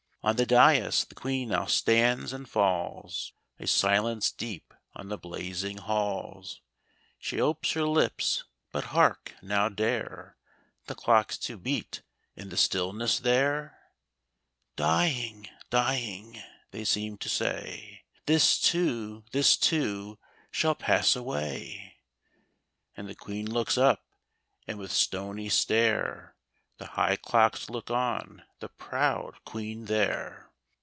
On the dais the Queen now stands — and falls A silence deep on the blazing halls ; She opes her lips ■— but, hark ! now dare The clocks to beat in the stillness there? —" Dying — dying," they seem to say —" This too — this too — shall pass away !" And the Queen looks up, and with stony stare The high clocks look on the proud Queen there.